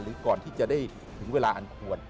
ก่อนที่จะได้ถึงเวลาอันควร